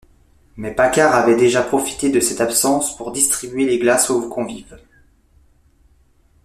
Mais Paccard avait déjà profité de cette absence pour distribuer les glaces aux convives.